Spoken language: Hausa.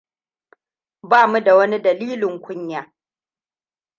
Ba mu da wani dalilin kunya.